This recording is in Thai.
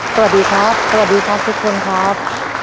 สวัสดีครับสวัสดีครับทุกคนครับ